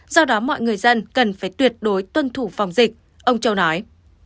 do đó mọi người dân cần phải tuyệt đối tuân thủ phòng dịch ông châu nói